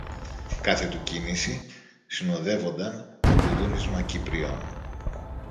Κάθε του κίνηση συνοδεύονταν με κουδούνισμα κυπριών.